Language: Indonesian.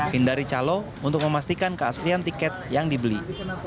hindari calo untuk memastikan keaslian tiket yang dibeli